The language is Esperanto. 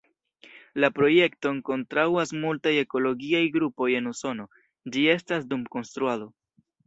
La projekton kontraŭas multaj ekologiaj grupoj en Usono, ĝi estas dum konstruado.